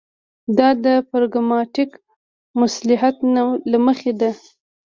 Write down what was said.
دا د پراګماټیک مصلحت له مخې ده.